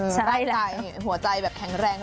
ใจนิ่งจริงหัวใจแบบแข็งแรง